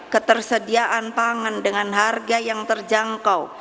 ketersediaan pangan dengan harga yang terjangkau